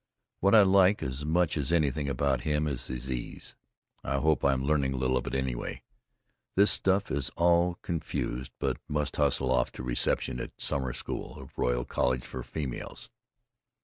What I like as much as anything about him is his ease, I hope I'm learning a little of it anyway. This stuff is all confused but must hustle off to reception at summer school of Royal College for Females.